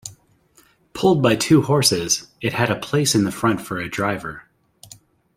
Pulled by two horses, it had a place in the front for a driver.